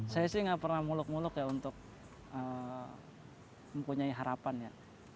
saya sih nggak pernah muluk muluk ya untuk mempunyai harapan ya